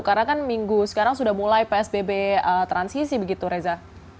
karena kan minggu sekarang sudah mulai psbb transisi begitu reza